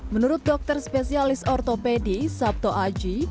menurut dokter spesialis ortopedi sabto aji